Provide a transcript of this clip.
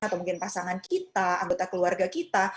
atau mungkin pasangan kita anggota keluarga kita